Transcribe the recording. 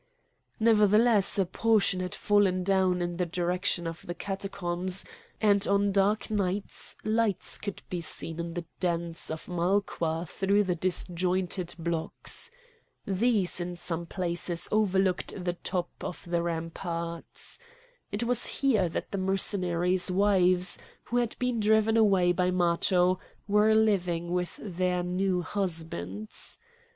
Nevertheless a portion had fallen down in the direction of the Catacombs, and on dark nights lights could be seen in the dens of Malqua through the disjointed blocks. These in some places overlooked the top of the ramparts. It was here that the Mercenaries' wives, who had been driven away by Matho, were living with their new husbands.